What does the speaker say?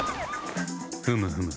ふむふむ。